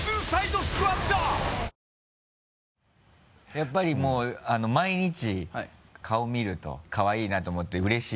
やっぱりもう毎日顔見るとかわいいなと思ってうれしい？